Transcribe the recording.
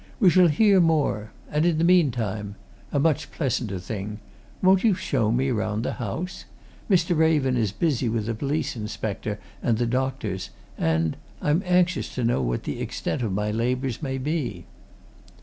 We shall hear more. And, in the meantime a much pleasanter thing won't you show me round the house? Mr. Raven is busy with the police inspector and the doctors, and I'm anxious to know what the extent of my labours may be."